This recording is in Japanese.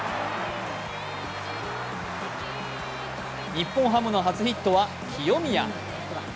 日本ハムの初ヒットは清宮。